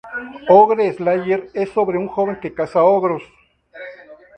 Ogre Slayer es sobre un joven que caza ogros.